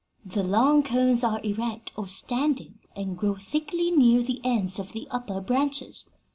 The long cones are erect, or standing, and grow thickly near the ends of the upper branches.